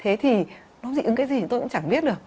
thế thì nó dị ứng cái gì tôi cũng chẳng biết được